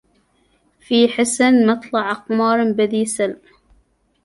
في حسن مطلع أقمار بذي سلم